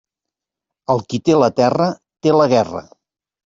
El qui té la terra té la guerra.